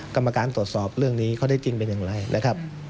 กรรมการตรวจสอบเรื่องนี้เขาได้จริงเป็นอย่างไรนะครับ